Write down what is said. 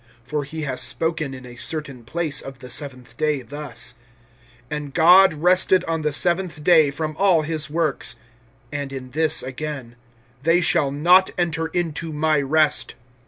(4)For he has spoken in a certain place of the seventh day thus: And God rested on the seventh day from all his works; (5)and in this again: They shall not enter into my rest.